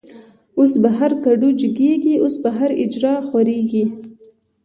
اوس په هر کډو جگیږی، اوس په هر”اجړ” خوریږی